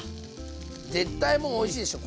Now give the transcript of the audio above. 絶対もうおいしいでしょ！